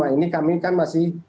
ini kami kan masih